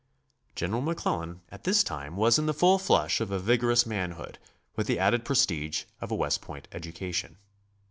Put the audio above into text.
General McClellan at this time was in the full flush of a vigorous manhood, with the added prestige of a West Point education.